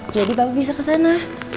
jadi bapak bisa kesana